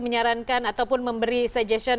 menyarankan ataupun memberi suggestion